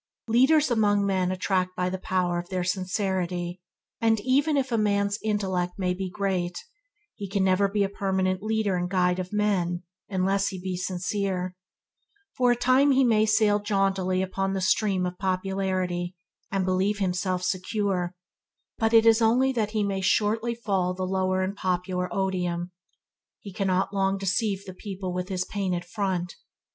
Leaders among men attract by the power of their sincerity, and the measures of their sincerity is the measure of their sincerity is the great may be a man's intellect he can never be a permanent leader and guide of men unless he be sincere. For a time he may sail jauntily upon the stream of popularity, and believe himself secure, but it is only that he may shortly fall the lower in popular odium. He cannot long deceive the people with his painted front.